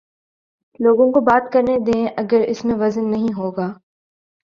لوگوں کو بات کر نے دیں اگر اس میں وزن نہیں ہو گا۔